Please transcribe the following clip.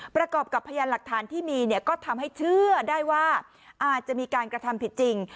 ประกอบกับพยานหลักฐานที่มีเนี่ยก็ทำให้เชื่อได้ว่าอาจจะมีการกระทำผิดจริง